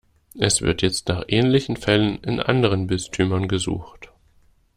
Es wird jetzt nach ähnlichen Fällen in anderen Bistümern gesucht.